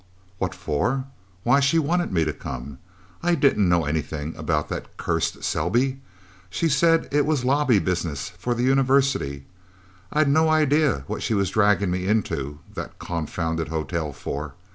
"What for? Why, she wanted me to come. I didn't know anything about that cursed Selby. She said it was lobby business for the University. I'd no idea what she was dragging me into that confounded hotel for.